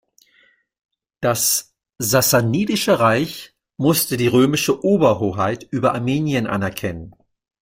Das sassanidische Reich musste die römische Oberhoheit über Armenien anerkennen.